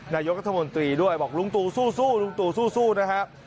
นายกรธมนตรีด้วยบอกรุงตูสู้นะครับ